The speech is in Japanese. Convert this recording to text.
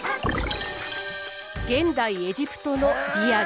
現代エジプトのリアル。